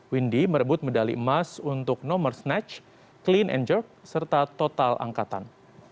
windy merebut medali emas untuk nomor snatch clean and jerk serta total angkatan